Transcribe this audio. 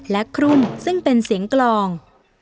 และครุ่มซึ่งเป็นเสียงกลอง